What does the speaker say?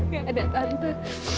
gak ada tante